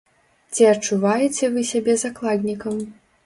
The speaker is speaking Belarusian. Ці адчуваеце вы сябе закладнікам?